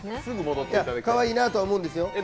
かわいいなとは思うんですよ。